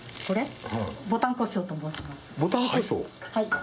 これ？